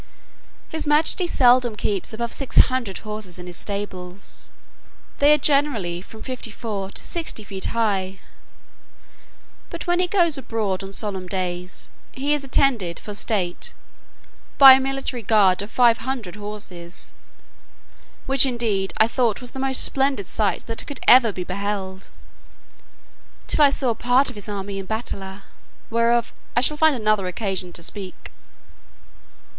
His majesty seldom keeps above six hundred horses in his stables: they are generally from fifty four to sixty feet high. But, when he goes abroad on solemn days, he is attended, for state, by a military guard of five hundred horse, which, indeed, I thought was the most splendid sight that could be ever beheld, till I saw part of his army in battalia, whereof I shall find another occasion to speak.